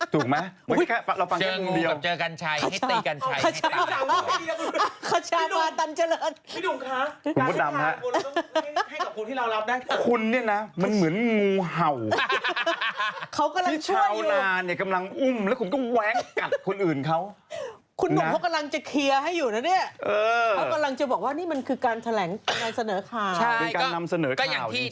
ถูกไม่ฮะก็แพบพวกเราฟังให้คนเดียว